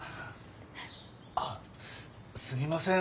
あっすみません。